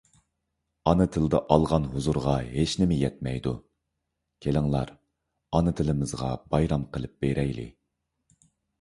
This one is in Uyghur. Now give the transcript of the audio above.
ئانا تىلدا ئالغان ھۇزۇرغا ھېچنېمە يەتمەيدۇ. كېلىڭلار، ئانا تىلىمىزغا بايرام قىلىپ بېرەيلى!